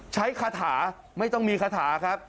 คาถาไม่ต้องมีคาถาครับ